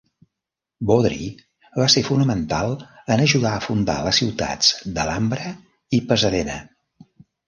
Beaudry va ser fonamental en ajudar a fundar les ciutats d'Alhambra i Pasadena.